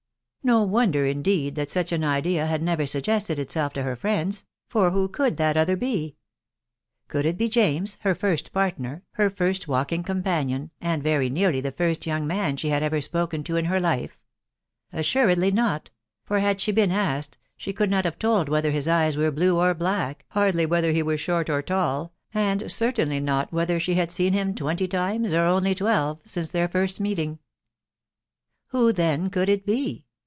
No wonder, indeed, that such an idea had never suggested itself to her friends, .... for who could that other be ?.... Could it be James, her first partner, her first walking com panion, and very nearly the first young man she bad ever spoken to in her life ?•... Assuredly not ; for had she been asked, she could not have told whether his eyes were blue or black, hardly whether he were short or tall, and certainly not whether she had seen him twenty times, or only twelve, since their first meeting. Who, then, could it be?